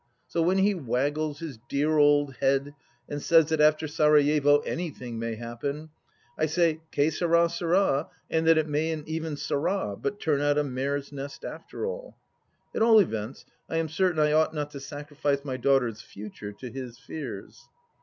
So when he waggles his dear old head and says that after Sarajevo anything may happen, I say Che sard, sard ! and that it mayn't even sard, but turn out a mare's nest after all. At all events I am certain I ought not to sacrifice my daughter's future to his fears.